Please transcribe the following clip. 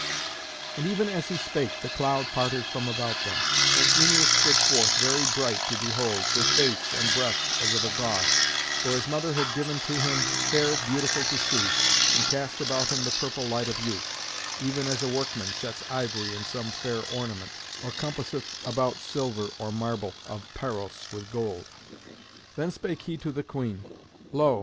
And even as he spake the cloud parted from about them, and Æneas stood forth, very bright to behold, with face and breast as of a god, for his mother had given to him hair beautiful to see, and cast about him the purple light of youth, even as a workman sets ivory in some fair ornament, or compasseth about silver or marble of Paros with gold. Then spake he to the queen, "Lo!